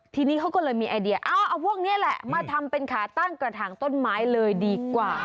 ทีนี้เขาก็เลยมีไอเดียเอาพวกนี้แหละมาทำเป็นขาตั้งกระถางต้นไม้เลยดีกว่า